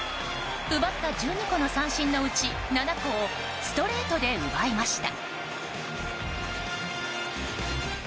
奪った１２個の三振のうち７個をストレートで奪いました。